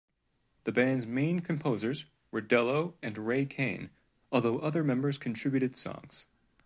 The band's main composers were Dello and Ray Cane although other members contributed songs.